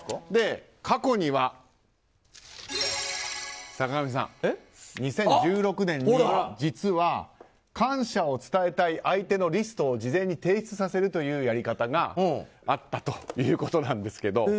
過去には坂上さん、２０１６年に実は感謝を伝えたい相手のリストを事前に提出させるというやり方があったということなんですけど。